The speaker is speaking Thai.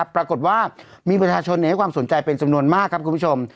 ปรากฏว่ามีประชาชนให้ความสนใจเป็นจำนวนมากครับคุณผู้ชม